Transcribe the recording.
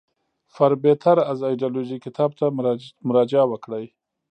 فربه تر از ایدیالوژی کتاب ته مراجعه وکړئ.